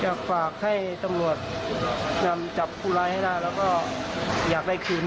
อยากฝากให้ตำรวจนำจับผู้ร้ายให้ได้แล้วก็อยากได้คืน